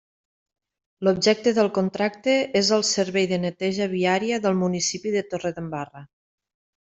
L'objecte del contracte és el servei de neteja viària del municipi de Torredembarra.